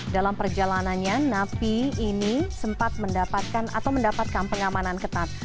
dalam perjalanannya napi ini sempat mendapatkan atau mendapatkan pengamanan ketat